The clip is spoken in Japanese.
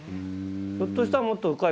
ひょっとしたらもっと深いかも。